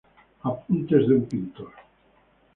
Apuntes de un pintor".